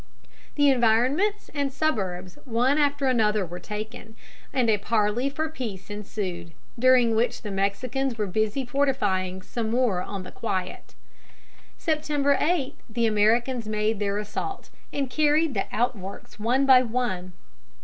The environments and suburbs one after another were taken, and a parley for peace ensued, during which the Mexicans were busy fortifying some more on the quiet. September 8 the Americans made their assault, and carried the outworks one by one.